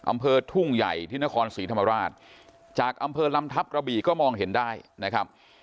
อำเภอทุ่งใหญ่ที่นครศรีธรรมราชจากอำเภอลำทัพกระบี่ก็มองเห็นได้นะครับ